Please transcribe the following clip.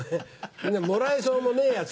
もらえそうもねえやつ